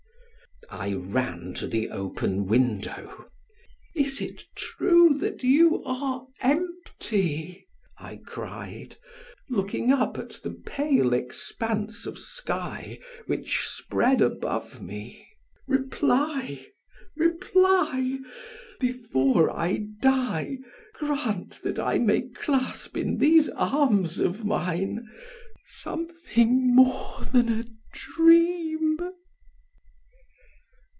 I ran to the open window: "Is it true that you are empty?" I cried, looking up at the pale expanse of sky which spread above me. "Reply, reply! Before I die grant that I may clasp in these arms of mine something more than a dream!"